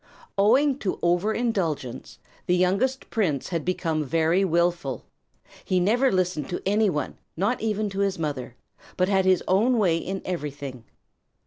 Owing to overindulgence, the youngest prince had become very wilful. He never listened to any one, not even to his mother, but had his own way in everything.